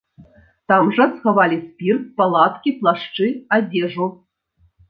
Там жа схавалі спірт, палаткі, плашчы, адзежу.